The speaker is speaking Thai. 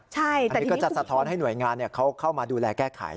ใช่แต่ทีนี้ก็จะสะท้อนให้หน่วยงานเข้ามาดูแลแก้ไข